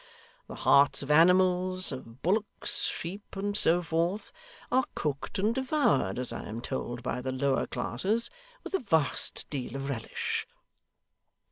The hearts of animals of bullocks, sheep, and so forth are cooked and devoured, as I am told, by the lower classes, with a vast deal of relish.